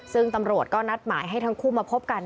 ซึ่งตำรวจก็นัดหมายให้ทั้งคู่มาพบกัน